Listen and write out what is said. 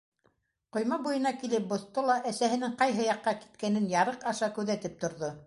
Ҡойма буйына килеп боҫто ла әсәһенең ҡайһы яҡҡа киткәнен ярыҡ аша күҙәтеп торҙо.